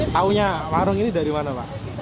tahunya warung ini dari mana pak